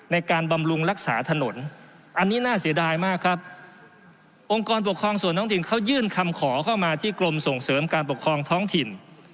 องค์การปกครองส่วนท้องถิ่นเขายื่นคำขอเข้ามาที่กรมส่งเสริมการปกครองท้องถิ่น